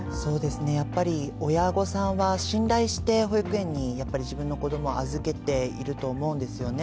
やっぱり親御さんは信頼して保育園に自分の子供を預けていると思うんですね。